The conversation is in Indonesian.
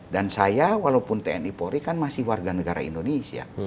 dan saya walaupun tni polri kan masih warga negara indonesia